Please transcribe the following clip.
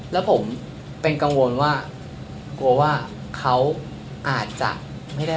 แล้วผมเป็นกังวลว่ากลัวว่าเขาอาจจะไม่ได้